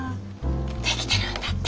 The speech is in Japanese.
できてるんだって！